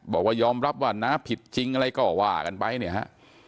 บอกว่ายอมรับว่าน้าผิดจริงอะไรก็ว่ากันไปเนี่ยฮะ